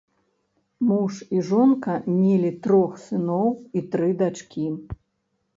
Муж і жонка мелі трох сыноў і тры дачкі.